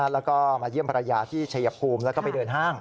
แล้วก็มาเยี่ยมภรรยาที่ชัยภูมิแล้วก็ไปเดินห้าง